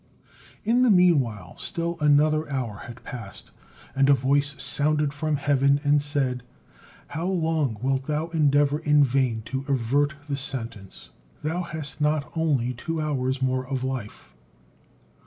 In the meanwhile still another hour had passed, and a voice sounded from heaven and said: "How long wilt thou endeavor in vain to avert the sentence? Thou has not only two hours more of life."